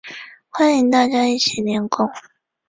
欢迎大家一起来练功